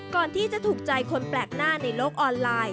ก่อนที่จะถูกใจคนแปลกหน้าในโลกออนไลน์